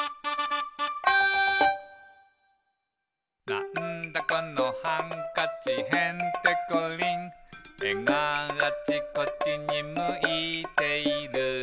「なんだこのハンカチへんてこりん」「えがあちこちにむいている」